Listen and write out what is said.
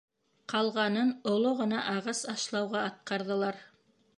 Ҡалғанын оло ғына ағас ашлауға атҡарҙылар.